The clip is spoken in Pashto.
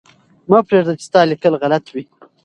مه پرېږده چې ستا لیکل غلط وي.